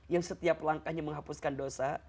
yang setiap langkahnya menghapuskan dosa